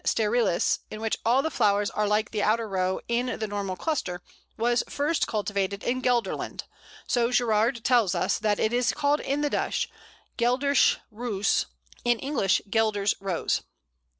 sterilis, in which all the flowers are like the outer row in the normal cluster, was first cultivated in Gelderland; so Gerarde tells us that "it is called in Dutch, Gheldersche Roose; in English, Gelder's Rose."